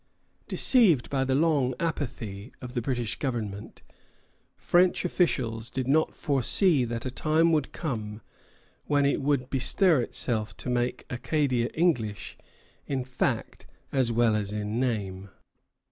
Deceived by the long apathy of the British government, French officials did not foresee that a time would come when it would bestir itself to make Acadia English in fact as well as in name.